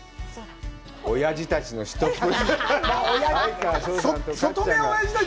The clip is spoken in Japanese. おやじたちのひとっ風呂。